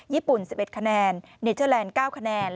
ญี่ปุ่น๑๑คะแนนเนเจอร์แลนด์๙คะแนน